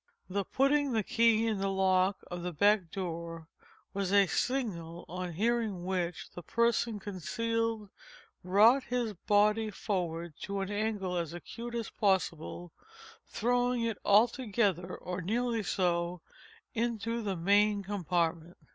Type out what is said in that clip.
The putting the key in the lock of the back door was a signal on hearing which the person concealed brought his body forward to an angle as acute as possible—throwing it altogether, or nearly so, into the main compartment.